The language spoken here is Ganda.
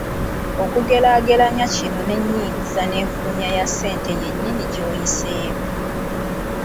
Okugeraageranya kino n’ennyingiza n’enfulumya ya ssente ye nnyini gy’oyiseemu.